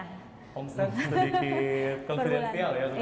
sedikit konfidenstial ya sebenarnya